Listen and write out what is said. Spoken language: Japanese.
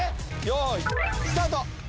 よいスタート！